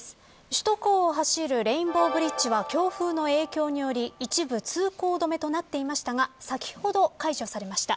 首都高を走るレインボーブリッジは強風の影響により一部通行止めとなっていましたが先ほど解除されました。